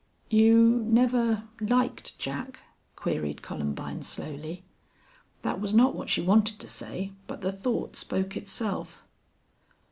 "You never liked Jack?" queried Columbine, slowly. That was not what she wanted to say, but the thought spoke itself.